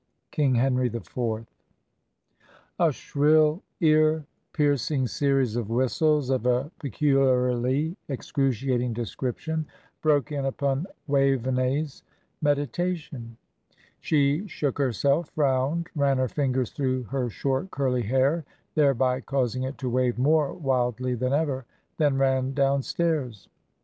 King Henry IV. A shrill, ear piercing series of whistles, of a peculiarly excruciating description, broke in upon Waveney's meditation. She shook herself, frowned, ran her fingers through her short, curly hair, thereby causing it to wave more wildly than ever then ran downstairs.